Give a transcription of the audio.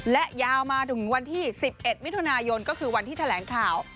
และยาวมาถึงวันที่๑๑มิถุนายนก็คือวันที่แถลงข่าว